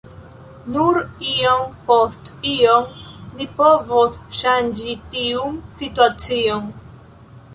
Nur iom post iom ni povos ŝanĝi tiun situacion.